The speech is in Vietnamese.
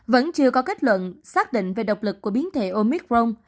vẫn chưa có kết luận xác định về độc lực của biến thể omicron